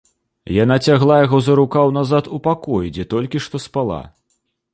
Яна цягла яго за рукаў назад у пакой, дзе толькі што спала.